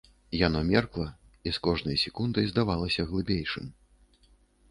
Яно меркла і з кожнай секундай здавалася глыбейшым.